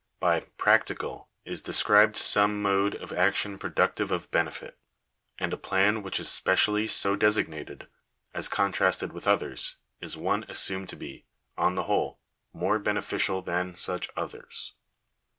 By "practical," is described some mode of action productive of benefit; and a plan which is specially so designated, as contrasted with others, is one assumed to be, on the whole, more beneficial than such others.